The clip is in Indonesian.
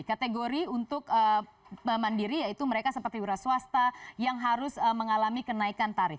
kategori untuk mandiri yaitu mereka seperti wira swasta yang harus mengalami kenaikan tarif